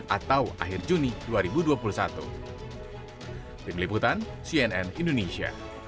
atau akhir juni dua ribu dua puluh satu